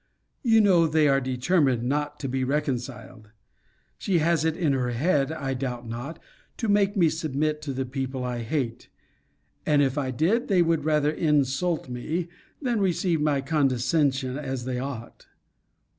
You know they are determined not to be reconciled. She has it in her head, I doubt not, to make me submit to the people I hate; and if I did, they would rather insult me, than receive my condescension as they ought.